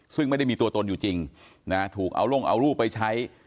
ซึ่งไม่ได้มีตัวตนอยู่จริงถูกเอาลงเอารูปไปใช้